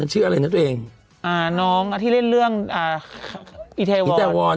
ชื่ออะไรนะตัวเองน้องที่เล่นเรื่องอีเทวอน